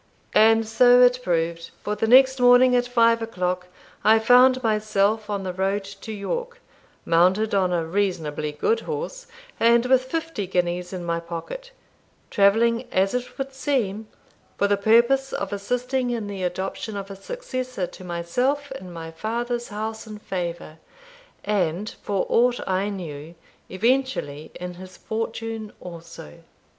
And so it proved; for the next morning, at five o'clock, I found myself on the road to York, mounted on a reasonably good horse, and with fifty guineas in my pocket; travelling, as it would seem, for the purpose of assisting in the adoption of a successor to myself in my father's house and favour, and, for aught I knew, eventually in his fortune also.